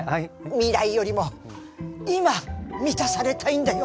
未来よりも今満たされたいんだよ